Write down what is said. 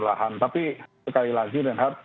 lahan tapi sekali lagi